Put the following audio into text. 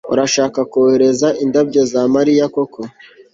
Urashaka kohereza indabyo za Mariya koko